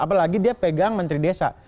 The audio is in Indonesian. apalagi dia pegang menteri desa